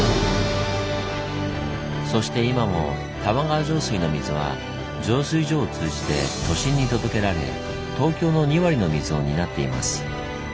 そして今も玉川上水の水は浄水場を通じて都心に届けられ東京の２割の水を担っています。